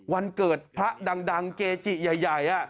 วันเกิดพระดังเกจิใหญ่